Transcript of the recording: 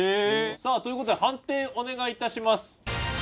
さあという事で判定お願い致します。